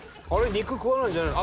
肉食わないんじゃないの？